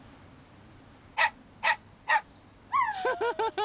フフフフ！